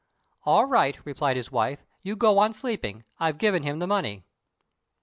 "All right," replied his wife; "you go on sleeping: I've given him the money."